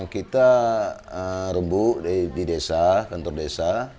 kita rembuk di desa kantor desa